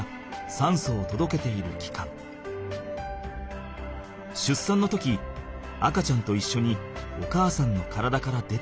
しゅっさんの時赤ちゃんといっしょにお母さんの体から出てくる。